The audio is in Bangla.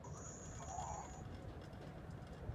আমার মেয়ের শরীর অনেক দুর্বল, খাওয়া দাওয়া করছে না।